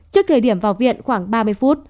trước thời điểm vào viện khoảng ba mươi phút